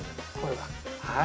はい。